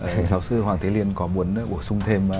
hệ giáo sư hoàng thế liên có muốn bổ sung thêm